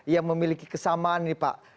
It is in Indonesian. yang memiliki kesamaan nih pak